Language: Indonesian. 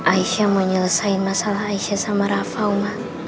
aisyah mau nyelesaikan masalah aisyah sama rafa uma